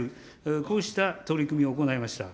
こうした取り組みを行いました。